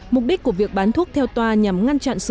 mục đích của việc bán thuốc theo tòa nhằm ngăn chặn sức khỏe